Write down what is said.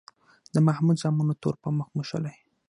د محمود زامنو تور په مخ موښلی.